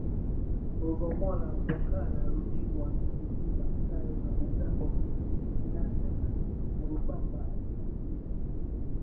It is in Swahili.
Lugomola Bukara Rutinwa Kiziba Kayo za Bugabo Kahigi Kihanja na Nyarubamba Ihangiro